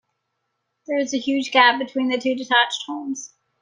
There is a huge gap between the two detached homes.